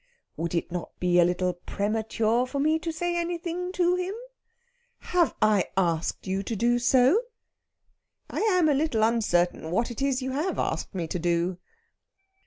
"Would it not be a little premature for me to say anything to him?" "Have I asked you to do so?" "I am a little uncertain what it is you have asked me to do."